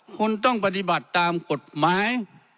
คุณต้องปฏิบัติตามกฎหมาย